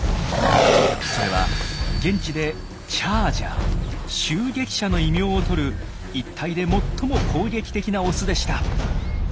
それは現地で「チャージャー」「襲撃者」の異名を取る一帯で最も攻撃的なオスでした。